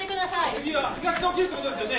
次は東で起きるってことですよね？